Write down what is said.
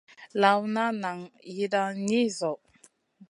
Lawna nan yiidan ni zo.